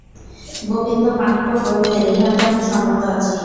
গোবিন্দমাণিক্য কহিলেন, ইহাতে আমি সম্মত আছি।